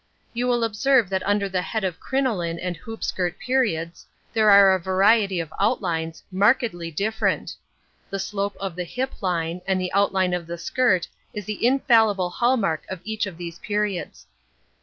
You will observe that under the head of crinoline and hoop skirt periods, there are a variety of outlines, markedly different. The slope of the hip line and the outline of the skirt is the infallible hall mark of each of these periods.